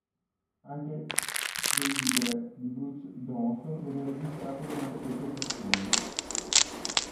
Anche "Deirdre" di Bruce Johnston venne registrata durante queste sessioni.